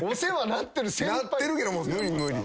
なってるけど無理無理。